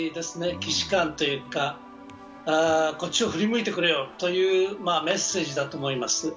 既視感というかこっちを振り向いてくれよというメッセージだと思います。